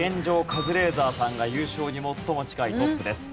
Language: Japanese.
カズレーザーさんが優勝に最も近いトップです。